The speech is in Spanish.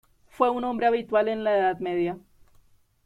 Fue un nombre habitual en la edad media.